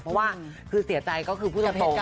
เพราะว่าเสียใจก็คือผู้ตรงตรง